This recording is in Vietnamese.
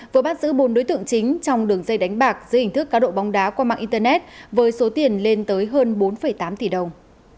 vừa bắt giữ bốn đối tượng chính trong đường dây đánh bạc dưới hình thức cá độ bóng đá qua mạng internet với số tiền lên tới hơn bốn tám tỷ đồng